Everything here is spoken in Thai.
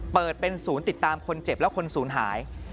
เปิดเป็นศูนย์ติดตามคนเจ็บและคนศูนย์หาย